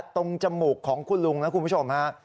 จมูกของคุณลุงนะคุณผู้ชมฮะ